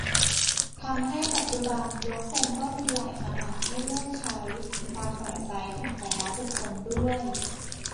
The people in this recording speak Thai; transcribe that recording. ทำให้ปัจจุบันยกทรงก็มีหลายขนาดให้เลือกใช้ตามแต่ไซซ์ของแต่ละบุคคลด้วย